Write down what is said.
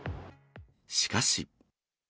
しかし。